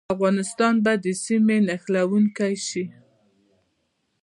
افغانستان به د سیمې نښلونکی شي؟